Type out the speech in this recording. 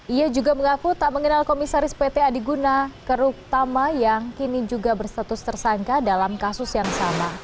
ia juga mengaku tak mengenal komisaris pt adiguna keruktama yang kini juga berstatus tersangka dalam kasus yang sama